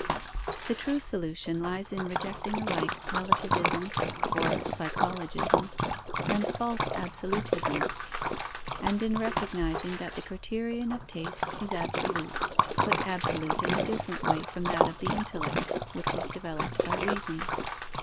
The true solution lies in rejecting alike relativism or psychologism, and false absolutism; and in recognizing that the criterion of taste is absolute, but absolute in a different way from that of the intellect, which is developed by reason.